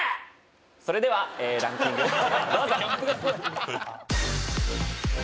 それではランキング、どうぞ。